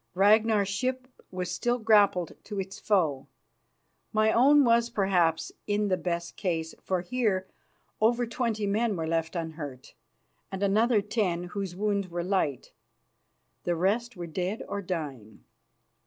Ragnar's ship was still grappled to its foe. My own was perhaps in the best case, for here over twenty men were left unhurt, and another ten whose wounds were light. The rest were dead or dying.